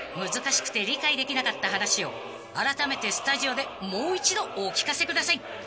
［難しくて理解できなかった話をあらためてスタジオでもう一度お聞かせください］